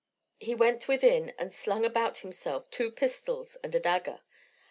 He went within and slung about himself two pistols and a dagger.